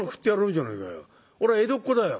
俺は江戸っ子だよ。